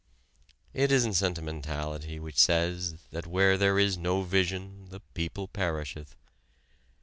It isn't sentimentality which says that where there is no vision the people perisheth.